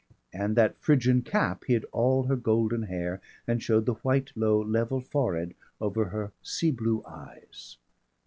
And that Phrygian cap hid all her golden hair and showed the white, low, level forehead over her sea blue eyes.